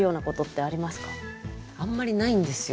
あんまりないんですよ。